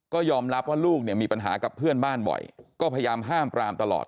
ก็ยอมรับว่าลูกเนี่ยมีปัญหากับเพื่อนบ้านบ่อยก็พยายามห้ามปรามตลอด